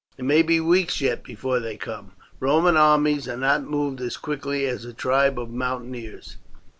It may be weeks yet before they come. Roman armies are not moved as quickly as a tribe of mountaineers."